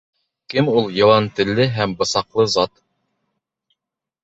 Кем ул, йылан телле һәм бысаҡлы зат?